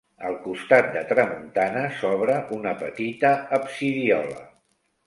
Al costat de tramuntana s'obre una petita absidiola.